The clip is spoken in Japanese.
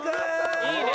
いいね。